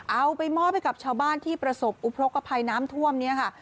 เอาไปมอบให้กับชาวบ้านที่ประสบอุทธกภัยน้ำท่วมนี้ค่ะ